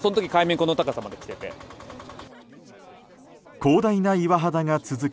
広大な岩肌が続く